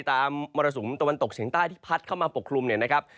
มรสุมตะวันตกเฉียงใต้ที่พัดเข้ามาปกคลุมเนี่ยนะครับ